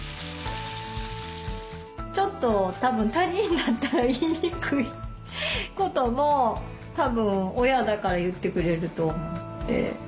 ちょっと他人だったら言いにくいこともたぶん親だから言ってくれると思って。